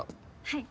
はい。